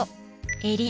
えり